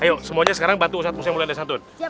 ayo semuanya sekarang bantu ustadz musa yang mulia dasar